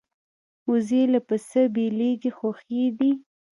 وزې له پسه بېلېږي خو ښې دي